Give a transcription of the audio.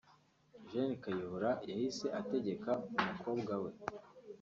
Gen Kayihura yahise ategeka umukobwa we